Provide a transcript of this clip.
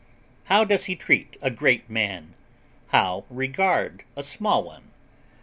How does he treat a great man how regard a small one?